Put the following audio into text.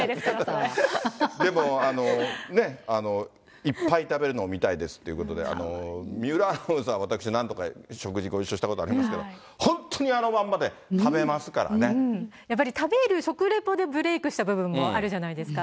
でも、いっぱい食べるのを見たいですということで、水卜アナウンサー、私何度かお食事ご一緒したことありますけど、本当にあのまやっぱり食べる食レポでブレークした部分もあるじゃないですか。